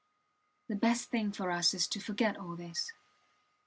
The best thing for us is to forget all this.